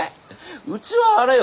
うちはあれよ。